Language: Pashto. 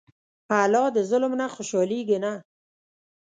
الله د ظلم نه خوشحالېږي نه.